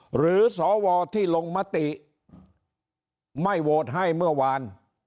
หรือสวที่ลงมติไม่โหวตให้เมื่อวาน